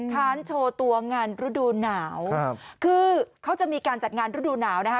ค้านโชว์ตัวงานฤดูหนาวครับคือเขาจะมีการจัดงานฤดูหนาวนะคะ